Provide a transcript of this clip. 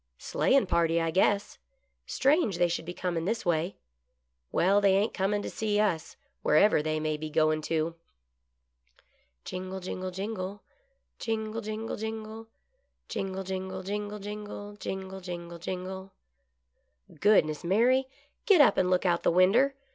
" Sleighin' party, I guess. Strange they should be GOOD LUCK. 63 cornin' this way. Well, they ain't cornin' to see us, wherever they may be goin' to." Jingle, jingle, jingle, Jingle, jingle, jingle; Jingle, jingle, jingle, jingle. Jingle, jingle, jingle /" Goodness, Mary, get up and look out of the winder.